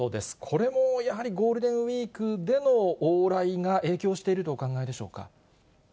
これもやはり、ゴールデンウィークでの往来が影響しているとお考えでしょうか。